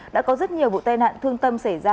đã có rất nhiều vụ tai nạn thương tâm xảy ra